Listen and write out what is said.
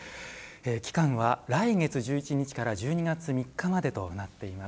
期間は来月１１日から１２月３日までとなっています。